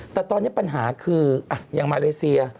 แต่ตอนนี้ปัญหาคืออย่างมาเลเซีย